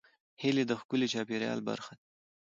هیلۍ د ښکلي چاپېریال برخه ده